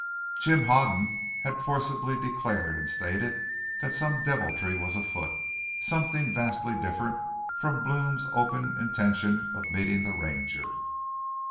Jim Hoden had forcibly declared and stated that some deviltry was afoot, something vastly different from Blome's open intention of meeting the Ranger.